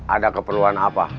ada keperluan apa